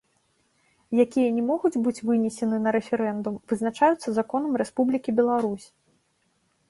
Якія не могуць быць вынесены на рэферэндум, вызначаюцца законам Рэспублікі Беларусь.